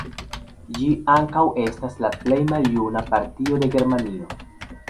Ĝi ankaŭ estas la plej maljuna partio de Germanio.